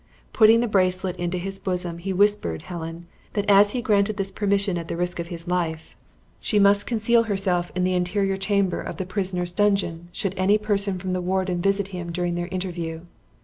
Putting the bracelet into his bosom, he whispered Helen, that as he granted this permission at the risk of his life, she must conceal herself in the interior chamber of the prisoner's dungeon should any person from the warden visit him during their interview.